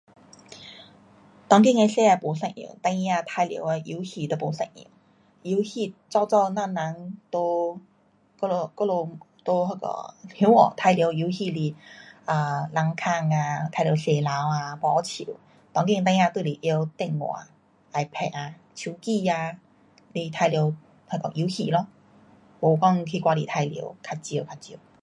当今世界不一样，孩儿玩耍的东西也不一样。游戏早早我们在我们我们在乡下，玩耍游戏是, [unintelligible] 玩耍石头。当今孩儿都是拿电话 ipad ah, 手机 ah。玩耍那个游戏咯。没讲到外面玩耍。没。